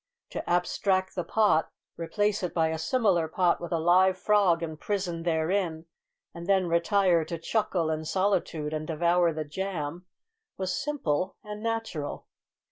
To abstract the pot, replace it by a similar pot with a live frog imprisoned therein, and then retire to chuckle in solitude and devour the jam, was simple and natural.